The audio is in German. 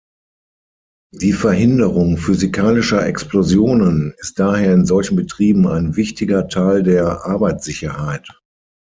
Die Verhinderung physikalischer Explosionen ist daher in solchen Betrieben ein wichtiger Teil der Arbeitssicherheit.